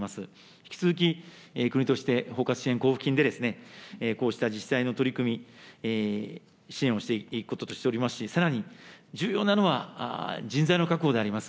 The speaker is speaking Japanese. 引き続き国として包括支援交付金で、こうした自治体の取り組み、支援をしていくこととしておりますし、さらに重要なのは、人材の確保であります。